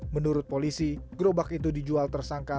menurut polisi gerobak itu dijual tersangka